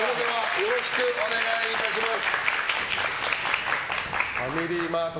よろしくお願いします。